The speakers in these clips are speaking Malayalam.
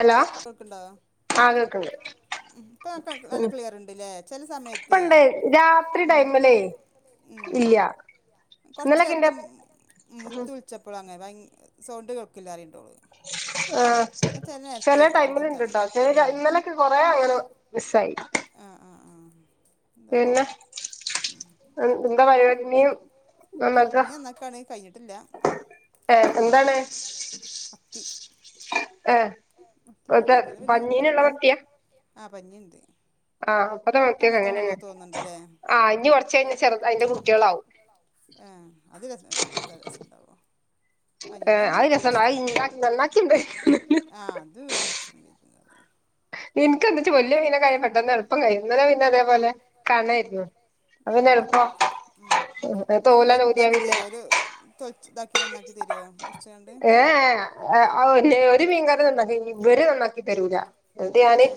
ഹലോ കേൾക്ക്ണ്ടോ ആ കേക്കണ്ട് ഉം ഇപ്പൊ ഉം നല്ല ക്ലിയർ ഉണ്ട്ല്ലേ ചില സമയത്തേ ഇപ്പണ്ട് രാത്രി ഉം ടൈമല്ലേ ഇല്ല്യ കുറച്ച് നേരത്തെ ഉം മുത്ത് വിളിച്ചപ്പോളാണ് ബയി സൗണ്ട് കേക്ക്ല്ലാറിണ്ടോള് ആഹ് ചില എന്താ ടൈമിൽ എനിക്കറിയില്ല ഇണ്ട്ട്ടോ ഉം ചില ഇന്നലൊക്കെ കൊറേ അങ്ങനെ മിസ്സായി ആ ആ ആ പിന്നെ ഉം എന്താ പരിപാടി നീ നന്നാക്ക മീൻ നന്നാക്കാണ് കഴിഞ്ഞിട്ടില്ല ഏ മത്തി ഏഹ് മെറ്റെ പഞ്ഞീനള്ള മത്തിയാ ആ പഞ്ഞിണ്ട് ആഹ് പ്പതേ ഇപ്പ മത്തിയൊക്കെ അങ്ങനത്തെ ഉള്ളൂ അങ്ങനെയാണ് തോന്നുന്നുണ്ട്ല്ലേ ആ ഇനി കുറച്ച കഴിഞ്ഞ് ചെറ അതിന്റെ കുട്ടികളാ ഏ അത്‌ രസ ഒത്ത രസണ്ടാവോ പനീനാകുമ്പോ അതു കുട്ടികൾക്ക് രസാണ് അയിന്ന് നന്നാക്കിണ്ട് ആ അത് [unintelligible] എനിക്ക് വന്നിട്ട് വലിയ മീനക്കായ പെട്ടെന്ന് എളുപ്പം കഴിയും ഇന്നലെ പിന്നെ അതുപോലെ കാണായിരുന്നു ആഹ് അതൊക്കെ ഉം തോലാണ് ഊതിയാ അയിതാക്കി പിന്നെ തരോ തൊലിച്ച് ഇതാക്കി നന്നാക്കി തരോ മുറിച്ങ്ങാണ്ട് ഏ ഏ ആ ഒരു മീൻകാരു നന്നാക്കി ഇവര് നന്നാക്കി തരൂല ന്നിട്ട് ഞാന്. ഏ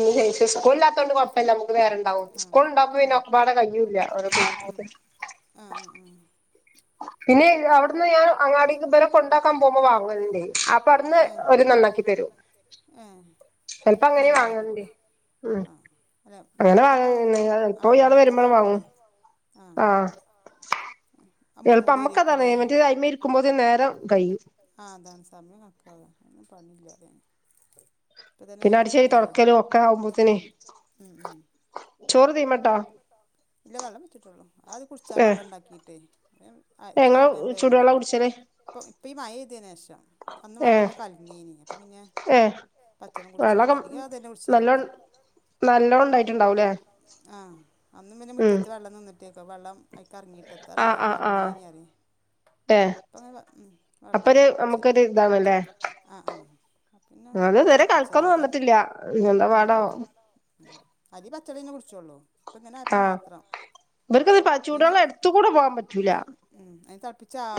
ഇല്ല്യേ സ്കൂള് ഇല്ലാത്ത കൊണ്ട് കുഴപ്പമില്ല നമുക്ക് നേരണ്ടാവും സ്കൂള് ഉണ്ടാകുമ്പോ പിന്നെ ഒപാടെ കഴിയൂല്ല ഓരോ അതെ ആഹ്‌ ആഹ്‌ ആഹ്‌ പിന്നെ അവിടുന്ന് ഞാൻ അങ്ങാടക്ക് ബരെ കൊണ്ടാക്കാൻ പോകുമ്പോ വാങ്ങല്ന്റെ അപ്പൊ അവിടുന്ന് ആ ഏ ഒരു നന്നാക്കി തരു ഏ ചൽപ്പോ എന്നാ അങ്ങനെ വാങ്ങണ്ടെ കാട്ടിക്കോളി ഉം. ആ അല്ല അങ്ങനെ ഇങ്ങനത്തൊക്കെ ആകുമ്പം വാങ്ങ ആ പോ ഇയാള് വരുമ്പോളു വാങ്ങും അങ്ങനത്തതാകുമ്പോളേ ആ ആഹ ആ എളുപ്പ മുന്നുകൂടി അമ്മക്ക് അതാണ് വരിയേക്കൂല്ലേ മറ്റ അമ്മ ഇരിക്കുമ്പോ നേരം കയ്യും ആഹ അതാണ് സമയം കക്ക ഒും പണില്ല അറിയെ ഇപ്പൊ തന്നെ പിന്നെ അടിച്ചേരി ആയില്ല തൊടക്കലും ഒക്കെ ആവുമ്പോത്തിന് ഉം ഉം ഉം ചോറ് തീമട്ടോ ഇല്ല വെള്ളം വെച്ചിട്ടുള്ളൂ അത് കുടിച്ചാ ഏഹ് വെള്ളം ഉണ്ടാക്കിട്ടേ വേ ആ ഞങ്ങള് ചോറ് വേഗം ചൂടുവെള്ള വെക്നതാ കുടിച്ചല് ഇപ്പം ഈ മഴ ഇ്തിന് ശേഷം അന്ന് വെള്ളംന്ന് കലങ്ങിയിനി അപ്പം പിന്നെ ഹേ പച്ചള്ളം കുടിച്ചല്ല അല്ലെങ്കിൽ അത് തന്നെ കുടിച്ചാലള്ളൂ നല്ലണം ഉണ്ടായിട്ടുണ്ടാവൂല്ലേ ആ അന്നും പിന്നെ മുറ്റത്ത് വെള്ളംന്നിട്ടേക്കോ വെള്ളം അയിക്കു ഇറങ്ങിയിട്ടത്ത ആഹ് അറിയില്ല ആഹ് ആഹ് കൽഗീനി അറിയെ ഏഹ് അപ്പ ഉ വെള്ളം അപ്പൊരു തിളപ്പിച്ച നമുക്കൊരു ഇതാണല്ലേ ആഹ ആഹ് അപ്പം പിന്നെ അത് അങ്ങനെ ഇതുവരെ തിളപ്പിച്ചല്ലേ കണക്കൊന്നും ഇത വന്നിട്ടില്ല എന്താ ഉം പാടാവോ ഉ ആദ്യം പച്ചളെ കുടിച്ചോള്ളൂ ഇപ്പ ഇങ്ങനെയപ്പ മാത്രം ഇവർക്ക പച്ച പിന്നെ ചൂടാം എടുത്ത കൂടെ പോവാൻ പറ്റൂല ഉം അതിന്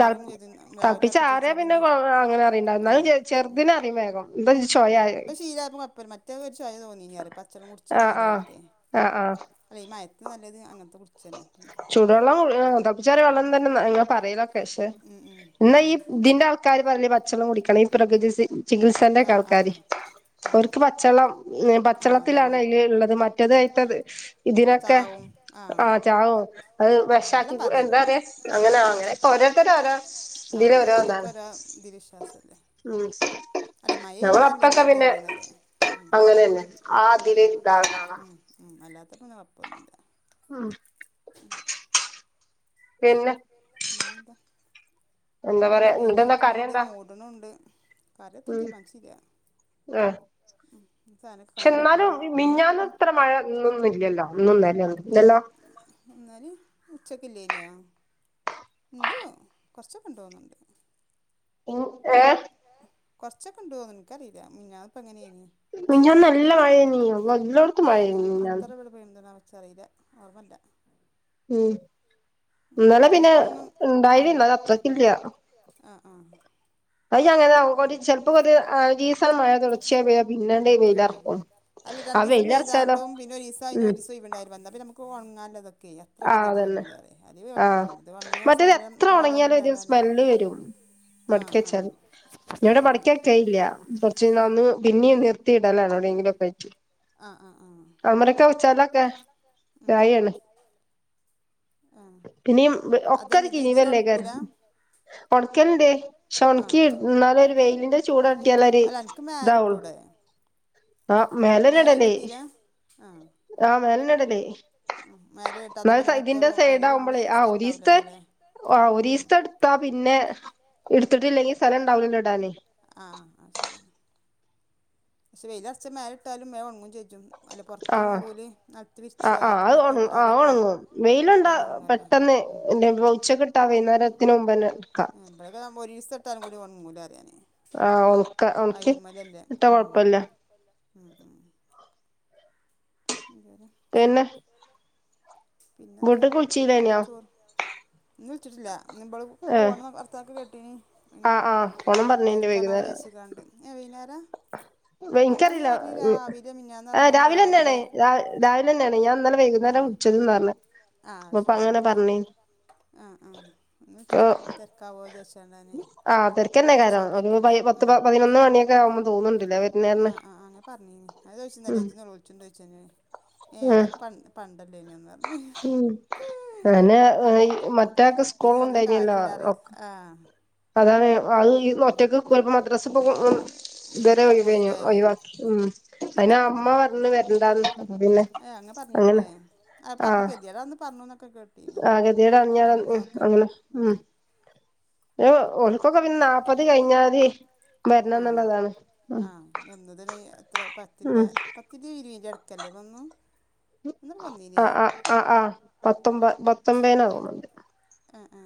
ത ചെയ്ത് രാവിലെ തളപ്പിച്ച തിളപ്പിച്ച് ആരേ വെച്ചാ പിന്നെ അങ്ങനെ അറിയണ്ട എന്നാലും ചെറുതിനെ അറിയും വേഗം എന്താ ഉ ചൊയ ഇപ്പൊ ശീലക്ക അപ്പം മറ്റേെ ഒരു ചൊയ തോന്നിനി പറയാ പച്ചള്ളം കുടിച്ച് ശീലമായിട്ടേ ആ ആഹ് അല്ലെഈ മയത്തി നല്ലത് അങ്ങനത്തെ കുറിച്ച് ചൂടുവെള്ളം തിളപ്പിച്ചാറിയ വെള്ളം തന്നെ ഇ പറയലൊക്കെേഷെ ഉം ഉം എന്നാ ഉം ഈ ഇതിന്റെ ആൾക്കാര് പറഞ്ഞേ പച്ചള്ളം കുടിക്കണം ഈ പ്രകൃതി ചികിത്സാന്റെ ഒക്കെ ആഹ് ആഹ് ആൾക്കാര് ആഹ് ഉം അവർക്ക് പച്ചളം ആഹ് പച്ചളത്തിലാണ് അതാണ് അയിൽ ഉള്ളത് മറ്റത്ഴത്തത് ഒക്കെ ഇതിനൊക്കെ ചാവും ആഹ് ആഹ ചാവോ അത് ഉം വിഷക്കി എല്ലാം പറയും എന്താ പററയാ അങ്ങനാ അങ്ങനെ ഓരോരുത്തര ഓരോ ആ ഇതില് ഇതാണ് ഓരോ തീൽ വിശ്വാസം അല്ലേ ഉം നമ്മൾ അപ്പൊക്കെ പിന്നെ ഇതന്നെയാണ് അറിയ ഉം അങ്ങനെന്നെ ആ അതില് ദാവ്നാനാ ഉ അല്ലാത്തപ്പോന്നും കുഴപ്പംന്നുംമില്ല ഉം പിന്നെ പിന്നെന്താ പിന്നെ പറയാ എന്താ എന്നിട്ടെന്താ കറി വെയിലർക്കളുണ്ട് എന്താ മൂട്ണുണ്ട് എത്തതി ഉം തീരുമാൻചില്ല ആഹ് സാനക്ക പക്ഷെ എന്നാലും മിഞാന്നും ഇത്ര മഴ ഇന്നൊന്നും ഇില്ലല്ലോ ഇന്നും ഇന്നലെ ഒന്നും ഇല്ലോ ലോ എന്നാലും ഉച്ചക്കില്ലേനിയോ ഉണ്ടോ കുറച്ച് ഒകെ ഉണ്ട് തോന്നണ്ട് ഉം ഏഹ് കൊറച്ചൊക്കെണ്ടു തോന്ന്നു ഇന ക്കറിയില്ല മിഞ്ഞാന്ന് ഇപ്പ എങ്ങനെയാനി മിഞ്ഞാന്ന് നല്ല മഴ നീ എല്ലോടത്തും മഴേനി മിനിഞ്ഞന്ന് വ എന്തതിനാ വെച്ചറിയില്ല ഓർമ്മല്ല ഉം ഇന്നലെ പിന്നെ അതിപ്പം ഉണ്ടായിനി ഉം. ന്നാലും അത്രക്ക ഇല്ല ആ ആ അ അങ്ങനെ ചിലപ്പോ കൊറച്ച് നാലാഞ്ച് ദിവസം മഴ തുടർച്ചയ പെയ്താൽ പിന്നണ്ട വെയിൽറക്കും അല്ല രണ്ട് ദിവസം പെയ്താണ്ടും പിന്നെ ഒരു ഇസം കയിഞ്ഞ് ഉം ഒരുരിസം ഒയിവ് ഉണ്ടായാലും മതി അപ്പ നമുക്ക് ഉണങ്ങാ എത്ര ആഹ് ഗതിയട്ട അതന്നെ തോന്നൂല അറിയ അല്ലേൽ കുഴപ്പം ആഹ് ഒന്നും ഇല്ല ഇത് ഉണങ്ങിയാ മറ്റേത് സ്ഥലം എത്ര ഉണങ്ങിയാലും തോയിടാനില്ല ഒരു എന്നാലേ സ്മെല്ല് വരും ആഹ ആഹ ഞവിടെ മടികി വെക്കൽ ഇല്ല കുറച് കഴിഞ്ഞാൽ ആ ഒന്ന് പിന്നെയും നിർത്തിയിടലാണ് എവിടെയെങ്കിലുംക്കയിട്ട് ആ ആ ആ അമരക്ക വച്ചാലൊക്കെ വായയാണ് ആ പിന്നീ ഒകെ ഒരു അതല്ല ഇജ്ജ് ഇതിൽ കിനിവലേകാരം ഉണക്കൂല ഉണക്കലണ്ടേ പക്ഷെ ആ ഉണക്കി ഇ എന്നാല ഒരു വെയിലിന്റെ ചൂട് തട്ടിയാലേ ഒരു അല്ല എനിക്ക് മേലെ ഇതാവുള്ളൂ ഇട്ടൂടെ ആഹ മേലെ മേലനടല്ലേ അയിലിട്ടീല ആ ആ മേലെന്ന ഇടൽ ഉം മേലെ ഇട്ട് അതുപോലെ എന്ന മറ്റേ ഇതിന്റെ റൂം സൈഡ് അതില് റൂമില് ആകുമ്പോളേ ആ സ്ഥലം ഒരിസ്‌തെ ഉണ്ടാവില്ലല്ലോ അല്ലേ ആ ഉം ഒരിസ്തെ ത്താ പിന്നെ എടുത്തിട്ടില്ലെങ്കിൽ സ്ഥലം ഉണ്ടാവലല്ല ഇടാനേ ആ അത് ശരിയാണ് പക്ഷ വെയില അർച്ച മേലേ ഇട്ടാലും വേം ഉണങ്ങും ചെയ്യും റ്റും അല്ല പുറത്ത് ആഹ് നിറവൽ നിലത്തി വിരിച്ച് ആഹ് ആഹ് അത് ഒണ അതമ്മലൊക്കെ ആഹ് ഇട്ടാലൊക്കെ ഒണങ്ങും വെയിലുണ്ടാ പെട്ടെന്ന് ഉണങ്ങുമല്ലോ? പെട്ടെന്ന് ഉം നനച്ചൊക്കെ ഇട്ടാ വൈകുന്നേരത്തിന് മുമ്പ് ന്നെ എടുക്കാ എ ഇഴക്കെുമ്പൾ ഒരു ഇസ് ഇട്ടാനും കൂടി കൊ മൂല അറിയാനേ ആഹ് ഒണക്ക ഒണക്കി അയലമ്മലല്ലേ ഇട്ടാ ഉം കൊഴപ്പല്ല ഉം ഉ എന്താരെ പിന്നെ പിന്നെന്താ? വീട്ട്ക്ക് വിളിച്ചീല്ലേനോ ചോറ് ഒന്ന് വിളിച്ചിട്ടില്ല ഇന്നിവൾക്ക് ഏഹ് പോകണം അർത ഇനി ഇ ആഹ് ആഹ് പോണം ഇപ്പൊ പറഞ്ഞീണ്ട് തിരക്കണോ വൈകുന്നേരം വിചാരിച്ചിക്കണ്ട് ഏ വൈകുന്നേരാ വ ആദ്യം എനിക്കറില്ല പറഞ്ഞ് രാവിലെ മിനിഞ്ഞാന്ന് ആ പറഞ്ഞ് രാവിലെ തന്നെയാണ് രാ രാവിലെ തന്നെയാണ് ഞാനിന്നല്ലെ ആ വൈകുന്നേരം കുടിച്ചത് പറഞ്ഞ് ഓ അപ്പൊ അങ്ങനെ പറഞ്ഞ് ആഹ് ആ ഒന്ന് വെച്ചിട്ടില്ല പിന്നെ തിരക്കാവോ വിചാരിച്ചോണ്ടാണ് ആ തിരക്ക് തന്നെ കാരണം പിന്നെ പൈ പത്ത് പ പതിനൊന്ന് മണിയൊക്കെ ആകുന്ന് തോന്നുന്നുണ്ടില്ലേ വൈകുന്നേരം ആ ആ അങ്ങനെ പറഞ്ഞീനി അത് ചോദിച്ചല്ല രജന്നളിച്ചൊണ്ട് ചോദിച്ച ഏ് അതൊക്കെ പ പണ്ടല്ലേനന്ന് പറ ഉ നെ ആ മറ്റേ മറ്റാക്ക് സ്കൂള് ഉണ്ടായിനല്ലോ ആഹ് അതാണ് അത് ഈ ഒറ്റയ്ക്ക് പോയപ്പോ മദ്രസ പോകും ഉം ഇതുവരെ ഇത്ര പോയില്ലേ അയ്യോ ഉം അയിന് ഉം അമ്മ പറഞ്ഞു വരണ്ടാന്ന് അപ്പൊ പിന്നെ ഏ അങ്ങ് അങ്ങനെ ആഹ് പറഞ്ഞുന്നൊക്കെ കേട്ടീനേ ആകതികേട് അറിഞ്ഞാല് അതിനെ ഉം നോക്കാം ഉം ഓന്ക്കൊക്കെ പിന്നെ നാപ്പത് കഴിഞ്ഞാതി വരണംന്നുള്ളതാണ് ഉം എന്തൊരിതേ എത്ര പത്തിന്റെ ഉം പത്തിന്റെ ഇരുപതിന്റെ ഇടക്കല്ലേ വന്നേ? ആ ആ ആ ആ പത്തൊമ്പത് പത്തൊമ്പേന തോന്നണുണ്ട് ആ ആ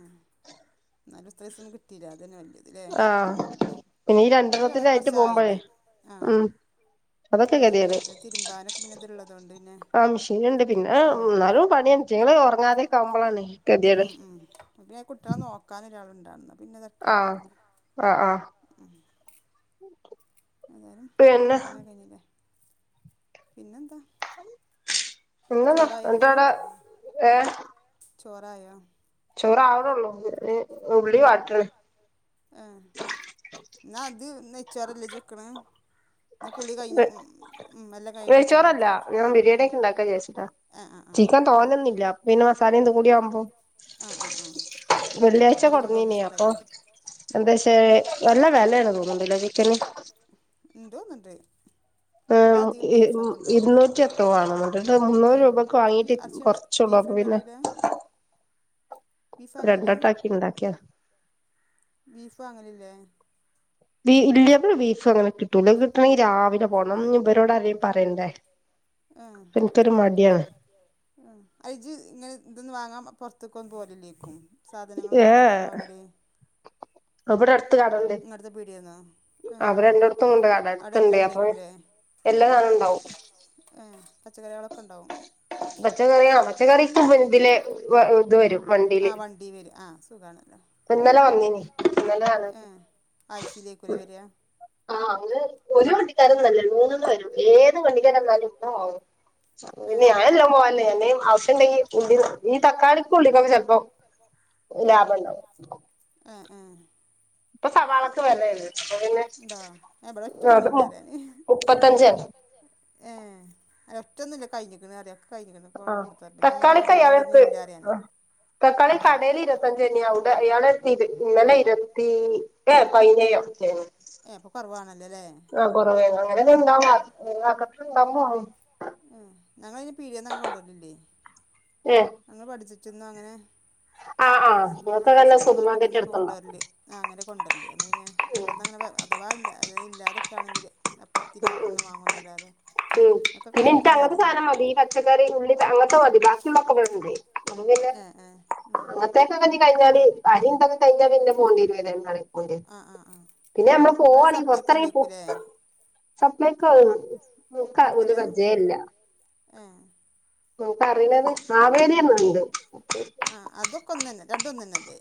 ന്നാലും ഇത്രിസം കിട്ടിലെ അത് തന്നെ വലിയത് ല്ലേ ആഹ് പിന്നെ ഉം ഈ ഇപ്പൊ രണ്ടെണ്ണത്തിനായിട്ട് പോകുമ്പോഴേ കൊറച്ചായില്ലേ ആഹ് ഉം അതൊക്കെ പലത ഗതികേട് കഴിഞ്ഞപ്പൊ തിരുമ്പാനൊക്കെ പിന്നെ ഇത്ള്ളതൊണ്ട് പിന്നെ ആ ഉം ചെയ്യണേ ഉറങ്ങാതെക്കുമ്പോളാണ് ഉം ഉം ഇവിടെ കുട്ടികളെ നോക്കാൻ ഒരാളുണ്ടായിരുന്നു ആഹ് ആ ആഹ് ഉം അതായാലും പിന്നെ അതങ്ങ് കഴിഞ്ഞില്ലേ? പിന്നെന്താ? പിന്നെന്താ ചോറായോ എന്താ അടെ ഏഹ് ചോറായാ? ചോറ് ആവനുള്ളൂ ഇനി ഉള്ളി വാട്ടാണ് ഏഹ് ന്നാ അത് നെയ്ച്ചോറല്ലേ ഇജ്ജ് വെക്കണ്? എന്നാ കുളി കഴിഞ്ഞ് ഉം ഉം എല്ലാം കഴിഞ്ഞിട്ട് വെച്ചോ എന്നാ നെയ്ച്ചോറല്ല ഞാൻ ബിരിയാണി ഏഹ് ഒക്കെ ഉണ്ടാക്കാ വിചാരിച്ചിട്ടാ ആഹ് ആഹ് ചിക്കൻ ആഹ് തോനെന്നുല്ല പിന്നെ മസാല എന്ത് കൂടിയ ആവുമ്പോ ആഹ് ആഹ് ആഹ് വെള്ളിയാഴ്ച അരി കൊണ്ട് വന്നീനി ഒന്നിച്ച് അപ്പൊ ഉണ്ടാക്കോ എന്താ ഷെ നല്ല വില ആണെന്ന് തോന്നാണുണ്ടല്ലേ ചിക്കന്? തോന്നണുണ്ട് ഇവിടെ അധികം ബീഫാ കൊണ്ടുവരല് ഇരുന്നൂറ്റി എത്രോ ആണ് എന്നിട്ട് മുന്നൂറ് രൂപക്ക് ഏ വാങ്ങീട്ട് എറച്ചിണ്ട് കുറച്ചൊള്ളൂ ബീഫ് അപ്പൊ കൊണ്ട് പിന്നെ വരുലാ? രണ്ടട്ടാക്കി ഇണ്ടാക്കിയാ ബീഫ് വാങ്ങലില്ലേ? ഇല്ല ഇവിടെ ബീഫങ്ങനെ കിട്ടൂല്ല കിട്ടണെങ്കി രാവിലെ പോണം ഇവരോട് അരേം പറയണ്ടേ? ആഹ് എനിക്കൊരു മടിയാണ് ആ അയ് ഇജ്ജ് ഇങ്ങനെ ഇന്തൊന്ന് വാങ്ങാൻ പൊറത്തേക്കൊന്നും പോവലില്ലേ? സാധനങ്ങളൊന്ന് ഏ വാങ്ങിചെടുതുനു വാങ്ങലെ ഇവിടെ അട്ത്ത് കടണ്ട് പീടിയേന്നോ ആഹ് അവടെ രണ്ടോട്ത്തുണ്ട് കട അവിടെ അടുത്തുണ്ട് എല്ലാം അപ്പൊ ഉണ്ടേക്കൂലേ എല്ലാ സാനുണ്ടാവും ഏഹ് പച്ചക്കറിയളൊക്കെണ്ടാവും പച്ചക്കറിയ പച്ചക്കറിക്ക് ഇതില് ഇത് വരും ആഹ് വണ്ടി വരും ആഹ് സുഖാണല്ലോ പ്പന്നലെ വന്നീനി ന്നല [unintelligible] ആയിച്ചേലെക്കൂലെ വരാ ആഹ് അ ഒരു വണ്ടിക്കാരൊന്നല്ലേ മൂന്നണ്ണം വരും ഏത് വണ്ടിക്കാര വന്നാലും ഏഹ് ഞാനല്ലാ പോവലേ ന്തേം ആവശ്യണ്ടങ്കി ഈ ഈ തക്കാളിക്ക് ഉള്ളിക്കൊക്കെ ചെൽപ്പോ ആഹ് ആഹ് പ്പ സവാളക്കെ വെലല്ലേ അപ്പ പിന്നെ ഇണ്ടാ ഇവിടോരോറ്റ അത് പണില്ലാരീ [unintelligible] മുപ്പത്തഞ്ചാണ് ഏഹ ഒറ്റന്നുല്ല കയ്ഞ്ഞിക്ക്ണ് അറിയ കയ്ഞ്ഞ്ക്ക്ണ് ആ കൊണ്ടന്നത്തെ ഇല്ലെനി തക്കാളിക്ക് മോളകിണ്ടെങ്കി അയാളെടുത്ത് ഇഞ്ഞില്ലാറിയാനെ ഉം ഇര്പത്തഞ്ചേനി അവ്ടെ ഇയാളരത്തി ഇന്നലെ ഇരുത്തി ഏ പയിനേയൊ ഏ അപ്പൊ കൊറവാണല്ലോല്ലേ ആ കൊറവേ അങ്ങനെ ഇണ്ടാവ [unintelligible] ണ്ടാവ ഏഹ ഞങ്ങള് ന്നെ പീടിയേന്നങ്ങന കൊണ്ടോർലില്ലേ ഏഹ് ഞങ്ങൾ പഠിച്ചിട്ടിന്നോ അങ്ങനെ ആ ആ നിങ്ങക്ക് നല്ല സൂപ്പർ മാർക്കറ്റ് മാർക്കറ്റ്ന്നൊക്കെ എടുത്തോ കൊണ്ടുവരല് ആ അങ്ങനെ കൊണ്ടര്ല് അന്ന് പിന്നെ ഇബട്ന്നങ്ങനെ അഥവാ ഇല്ല അ ഇല്ലാതൊക്കെ ആണെങ്കിൽ അപ്പത്തിരി ഒന്നും വാങ്ങുന്നല്ലാതെ ഉം ഒക്കെ പിന്നെ കഴിഞ്ഞിക്കണ് ഇൻക്കങ്ങത്തെ പറയും സാധനം മതി ഈ പച്ചക്കറി ഉള്ളി അങ്ങൻത്തെ മതി ബാക്കിള്ളൊക്കെ ഇബടെണ്ട് ആഹ് ആഹ് അങ്ങത്തെക്കെ കയിഞ്ഞാല് അരിന്തൊക്കെ കഴിഞ്ഞാല് പിന്നെ [unintelligible] കാണിക്കൂലേ ആ ആ ആ പിന്നെ നമ്മള് അവിടെ പോവാണീ സപ്ലൈക്കോ പൊറത്തിറങ്ങി പോ അല്ലേക്കൂലേ സപ്ലയ്ക്കൊ ഇന്ക് അടുത്തില്ല കജ്ജേല്ല ഏ ൻക്ക് അത് അറിണത് മാവേലില്ലോണ്ട് ആഹ് അതൊക്കെ ഒന്നെന്നെ രണ്ടൊന്നന്നെല്ലെ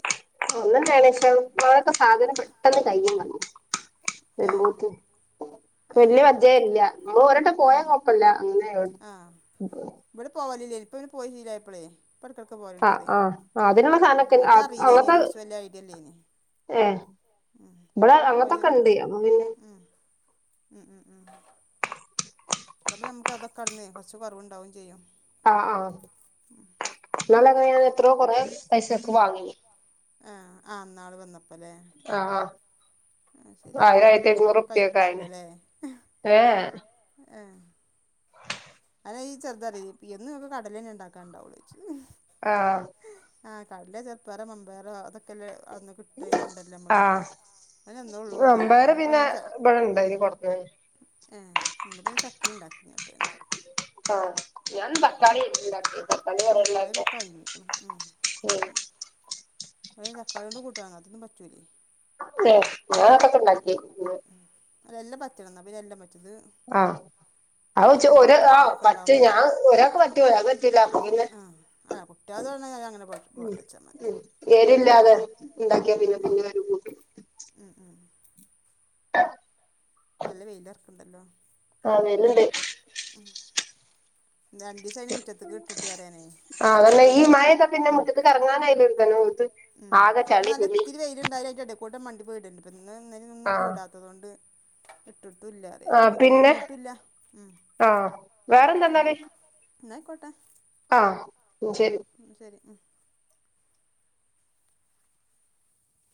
ഒന്നന്നേണ് പഷേ ങ്ങളൊക്കെ സാധനം പെട്ടെന്ന് കയ്യും വന്നു ഏ ക്ക് ഏ വല്യ പരിജയല്ല നമ്മള് ഒരട്ടം ആ പോയാ കൊഴപ്പല്ല അങ്ങനെ ആ ഇവിടെ പോവലില്ലേനി ഇപ്പ പിന്നെ പോയി ശീലായപ്പളെ പ്പട്ത്തൊക്കെ ആഹ് പോവല്ണ്ടറിയെ ആഹ് അതിനുള്ള സാധനൊക്കെ മറ്റേ അറീല്ലേനി അങ്ങനത്തെ അയ്നെ കുർച്ച് വല്യ ഐഡിയല്ലേനി ഏഹ് ഉ ഇ ഇവിടെ പ്പപിന്നെ പോയി അങ്ങനത്തൊക്കെ ഉണ്ട് അപ്പൊ പിന്നെ ഉം ഉം ഉം ഉം ഉം അതപ്പ നമുക്ക് അതക്കെ അട്ന്ന് കുറ കുറവുണ്ടാവും ചെയ്യും ആഹ് ആഹ് ന്നാൾ അങ്ങനെ എത്രയോ കൊറേ പൈസക്ക് വാങ്ങിനി ആ ആ ന്നാള് വന്നപ്പോ ആഹ് ആഹ്, ശരി ആയിരം ആയിരത്തിരുന്നൂറ്പ്യൊക്കയിന് കഴിഞ്ഞിട്ടുണ്ടാവൂലല്ലേ ഏഹ്, ഏഹ്, അല്ല ഈ ചെറുതറിയ ഇ എന്നും ങ്ങെക്ക് കടലെന്നെ ണ്ടാക്കണ്ടാവുള്ളോയ്ച്. ആഹ്, ആഹ് കടല ചെറുപ്പയർ മമ്പയരോ അതൊക്കെല്ല അട്ന്ന കിട്ടൊ ട്ടേയ് കൊണ്ടല്ലേമ്മള് ആഹ് അ ഒന്നെള്ളൂ ന്നറിയ അമ്പയർ പിന്നെ ന്ന്പ്പോങ്ങനെ ച ഇവിടെ ഉ ഇണ്ടായിന് കൊടന്നന്ന് ഏഹ്, ഇന്ന്പ്പൊ ചക്കെണ്ടാക്കിനോക്കായിന്. ആഹ്, ഞാൻന്ന്‌ തക്കാളിണ്ടാക്കിയെ തക്കാളി ന്നർഞാ തക്കാളിയൊക്കെ ല്ലാർക്കും കഴിഞ്ഞിക്ക്ണ് ഉം വ്ടൈന് തക്കാളിയെകൊണ്ട് കൂട്ടാനോ അതൊന്നും പറ്റൂലേ. ഏഹ്, ഞങ്ങളൊക്കണ്ടാക്കിന്ന്. അതെല്ലാം പറ്റണം എന്നാ പിന്നെ എല്ലാം പറ്റും ത് ആഹ് ആ ഒ ച്ചു ഒര് ആ പറ്റ് ഉണ്ടാവുമ്പളേ ഞാൻ ഒരാക്ക് പറ്റു ഒരാക്ക് പറ്റൂല പിന്നെ, പറ്റൂലാന്നർഞാ ഞാൻ അങ്ങനെ ഉം പൊട്ടിച്ചെന്ന്‌, ഉം എരില്ലാതെ ഉണ്ടാക്കിയാ പിന്നെ പിന്ന ഒര്കൂട്ടും. ഉം ഉം അ നല്ല വെയിലാർക്കുണ്ടല്ലോ? ആഹ്, വെയ്ല്ണ്ട്. ഉം ആതന്നെ ഈ മഴൊക്കൊ പിന്നെ മുറ്റത്ത് കറങ്ങാനായലൊരുക്കനും, ഉം, മറ്റെ നല്ല ഒത്തിരി വെയ് ണ്ടായാലും അയ്‌ന്റെ ഇടെക്കൂടെ മണ്ടി പോയിടൽണ്ട് ഇന്നുംന്നെലെന്നും ആഹ് കൂടാത്തത് കൊണ്ട്, ഇട്ടുല്ലാതേ ആഹ് അതൊന്നും പിന്നെ ഒണങ്ങിട്ടൂല്ല ഉം, ആഹ് വേറെന്താന്നാല് ന്നായ്ക്കോട്ടെ. ആഹ്, ശെരി. ഉം ശെരി ഉം